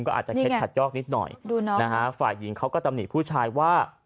ก็อาจจะเคล็ดขัดยอกนิดหน่อยนะฮะฝ่ายหญิงเขาก็ตำหนิผู้ชายว่า